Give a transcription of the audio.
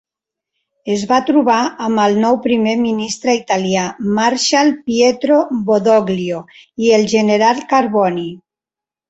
Es va trobar amb el nou primer ministre italià, Marshal Pietro Badoglio i el general Carboni.